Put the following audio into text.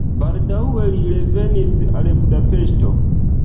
Baldaŭe li revenis al Budapeŝto.